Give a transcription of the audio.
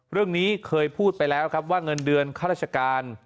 เรื่องนี้เคยพูดไปแล้วครับว่าเงินเดือนข้าราชการ